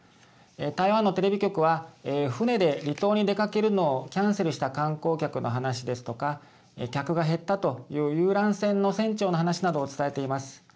台湾のテレビ局は船で離島に出かけるのをキャンセルした観光客の話ですとか客が減ったという遊覧船の船長の話などを伝えています。